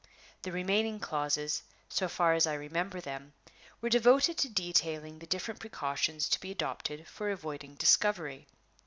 The remaining clauses, so far as I remember them, were devoted to detailing the different precautions to be adopted for avoiding discovery.